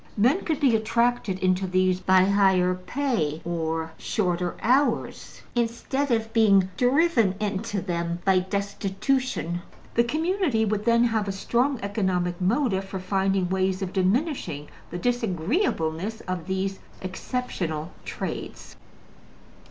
Men could be attracted into these by higher pay or shorter hours, instead of being driven into them by destitution. The community would then have a strong economic motive for finding ways of diminishing the disagreeableness of these exceptional trades.